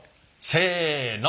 せの。